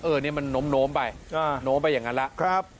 เออเนี่ยมันนมโน้มไปโน้มไปอย่างนั้นล่ะครับ